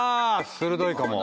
鋭いかも。